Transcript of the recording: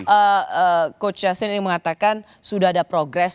oh coach yasin ini mengatakan sudah ada progress